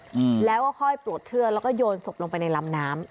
อืมแล้วก็ค่อยตรวจเชือกแล้วก็โยนศพลงไปในลำน้ำ